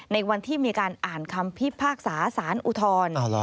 ในวันที่มีการอ่านคำพิพากษาสารอุทธร